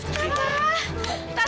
lari di atas